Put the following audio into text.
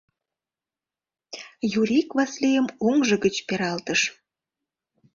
— Юрик Васлийым оҥжо гыч пералтыш.